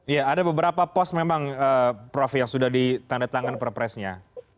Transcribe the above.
ya ada beberapa pos memang prof yang sudah ditandatangan perpresnya